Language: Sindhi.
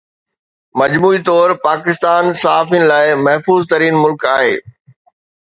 مجموعي طور پاڪستان صحافين لاءِ محفوظ ترين ملڪ آهي